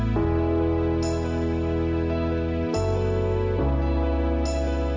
โปรดติดตามตอนต่อไป